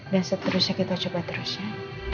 dan seterusnya kita coba terus ya